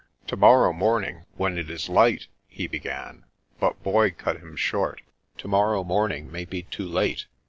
" To morrow morning, when it is light " he began ; but Boy cut him short. " To morrow morn ing may be too late.